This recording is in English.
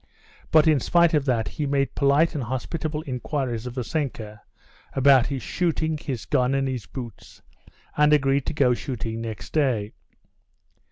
But in spite of that he made polite and hospitable inquiries of Vassenka about his shooting, his gun, and his boots, and agreed to go shooting next day.